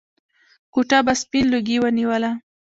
کوټه به سپين لوګي ونيوله.